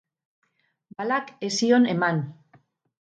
Balak ez zion eman.